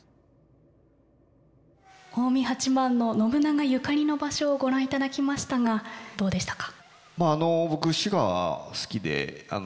近江八幡の信長ゆかりの場所を御覧いただきましたがどうでしたか？